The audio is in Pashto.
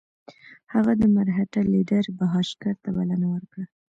هغه د مرهټه لیډر بهاشکر ته بلنه ورکړه.